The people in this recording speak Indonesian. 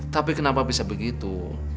tapi kenapa bisa begitu